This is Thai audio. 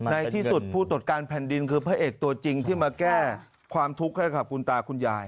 ในที่สุดผู้ตรวจการแผ่นดินคือพระเอกตัวจริงที่มาแก้ความทุกข์ให้กับคุณตาคุณยาย